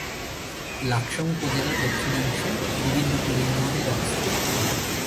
লাকসাম উপজেলার দক্ষিণাংশে গোবিন্দপুর ইউনিয়নের অবস্থান।